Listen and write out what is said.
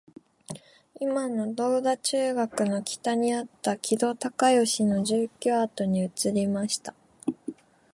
いまの銅駝中学の北にあった木戸孝允の住居跡に移りました